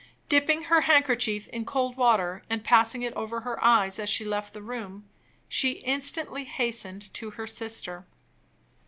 Dipping her handkerchief in cold water, and passing it over her eyes as she left the room, she instantly hastened to her sister.